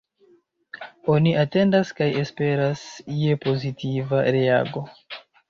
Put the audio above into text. Oni atendas kaj esperas je pozitiva reago.